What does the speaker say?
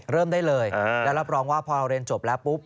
เริ่มได้เลยแล้วรับรองว่าพอเราเรียนจบแล้วปุ๊บ